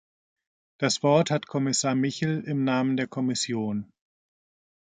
Das Wort hat Kommissar Michel im Namen der Kommission.